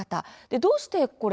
どうしてこれ、